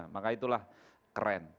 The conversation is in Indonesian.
maka itulah keren